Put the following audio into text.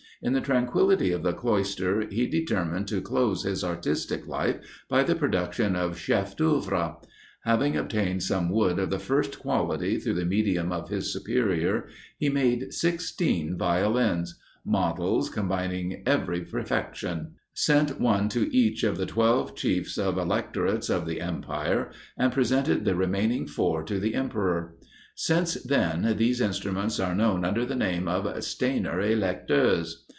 In the tranquillity of the cloister, he determined to close his artistic life by the production of chefs d'œuvre. Having obtained some wood of the first quality through the medium of his superior, he made sixteen Violins models, combining every perfection; sent one to each of the twelve chiefs of electorates of the Empire, and presented the remaining four to the Emperor. Since then, these instruments are known under the name of Stainer électeurs.